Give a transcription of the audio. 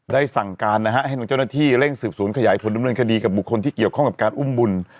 ได้สั่งการนะฮะให้ตัวเจ้าหน้าที่เร่งสืบศูนย์ขยายผลเรื่องคดีกับบุคคลที่เกี่ยวข้องกับอุ้มบุญ